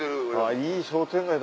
いい商店街だ。